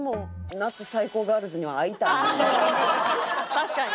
確かに。